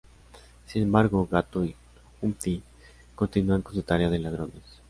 Sin embargo, Gato y Humpty continúan con su tarea de ladrones.